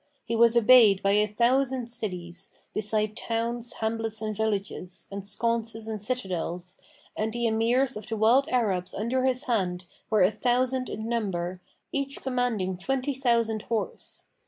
He was obeyed by a thousand cities, besides towns, hamlets and villages; and sconces and citadels, and the Emirs[FN#515] of the wild Arabs under his hand were a thousand in number, each commanding twenty thousand horse.